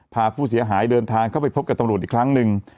พาผู้เสียหายเดินทางเข้าไปพบกับตำรวจอีกครั้งหนึ่ง